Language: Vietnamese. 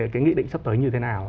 cái nghị định sắp tới như thế nào